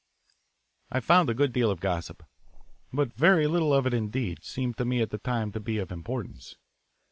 I found a good deal of gossip, but very little of it, indeed, seemed to me at the time to be of importance.